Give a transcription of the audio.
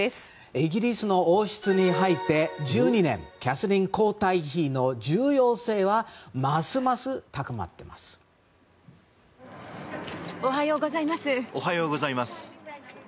イギリスの王室に入って１２年キャサリン皇太子妃の重要性はますます高まっています。